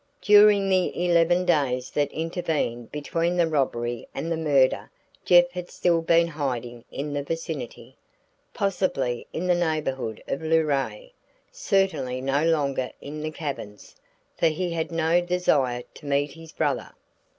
During the eleven days that intervened between the robbery and the murder Jeff had still been hiding in the vicinity possibly in the neighborhood of Luray, certainly no longer in the cabins, for he had no desire to meet his brother.